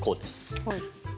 はい。